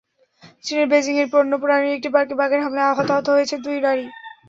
চীনের বেইজিংয়ে বন্য প্রাণীর একটি পার্কে বাঘের হামলায় হতাহত হয়েছেন দুই নারী।